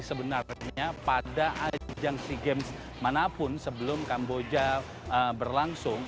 sebenarnya pada ajang sea games manapun sebelum kamboja berlangsung